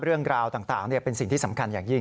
เรื่องราวต่างเป็นสิ่งที่สำคัญอย่างยิ่ง